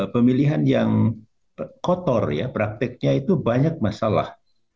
pemilihan yang kotor ya prakteknya itu banyak masalah